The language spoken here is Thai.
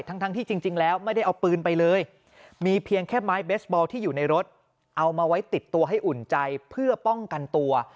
ทั้งที่จริงแล้วไม่ได้เอาปืนไปเลยมีเพียงแค่ไม้เบสบอลที่อยู่ในรถเอามาไว้ติดตัวให้อุ่นใจเพื่อป้องกันตัว